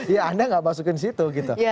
ya anda tidak masukkan di situ gitu